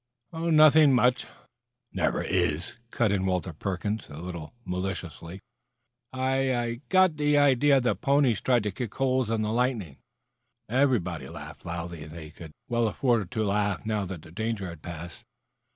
"Nothing much." "Never is," cut in Walter Perkins, a little maliciously. "I I got an idea the ponies tried to kick holes in the lightning." Everybody laughed loudly. They could well afford to laugh, now that the danger had passed.